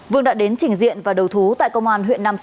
vương đã đến trình diện và đầu thú tại công an huyện nam sách